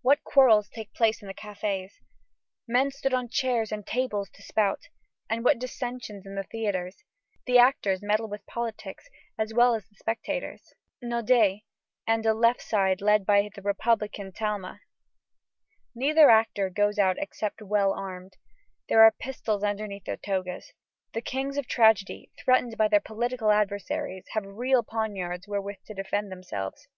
What quarrels take place in the cafés! Men stand on chairs and tables to spout. And what dissensions in the theatres! The actors meddle with politics as well as the spectators. In the greenroom of the Comédie Française there is a right side, whose chief is the royalist Naudet, and a left side led by the republican Talma. Neither actor goes out except well armed. There are pistols underneath their togas. The kings of tragedy, threatened by their political adversaries, have real poniards wherewith to defend themselves.